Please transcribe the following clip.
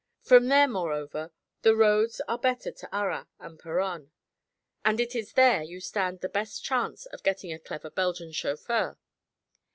From there, moreover, the roads are better to Arras and Peronne, and it is there you stand the best chance of getting a clever Belgian chauffeur.